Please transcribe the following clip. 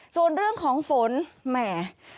ส่วนเรื่องของฝนแหม